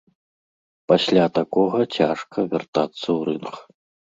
Пасля такога цяжка вяртацца ў рынг.